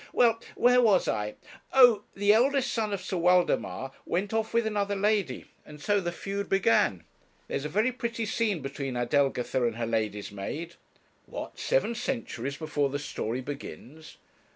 'Well, where was I? Oh! the eldest son of Sir Waldemar went off with another lady and so the feud began. There is a very pretty scene between Adelgitha and her lady's maid.' 'What, seven centuries before the story begins?'